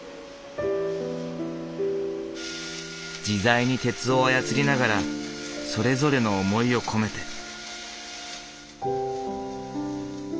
自在に鉄を操りながらそれぞれの思いを込めて。